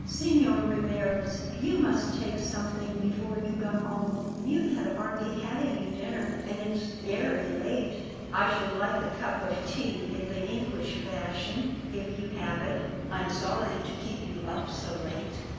"Signor Rivarez, you must take something before you go home you had hardly any dinner, and it's very late." "I should like a cup of tea in the English fashion, if you have it. I'm sorry to keep you up so late."